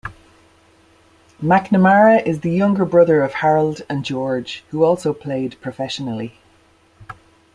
McNamara is the younger brother of Harold and George, who also played professionally.